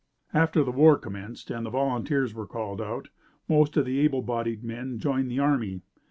After the war commenced and the volunteers were called out, most of the able bodied men joined the army.